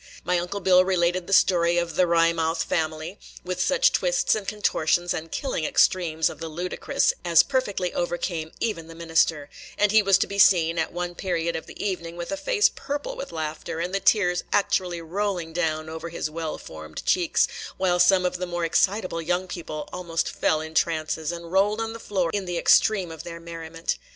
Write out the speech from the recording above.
My Uncle Bill related the story of "the Wry mouth Family," with such twists and contortions and killing extremes of the ludicrous as perfectly overcame even the minister; and he was to be seen, at one period of the evening, with a face purple with laughter, and the tears actually rolling down over his well formed cheeks, while some of the more excitable young people almost fell in trances, and rolled on the floor in the extreme of their merriment.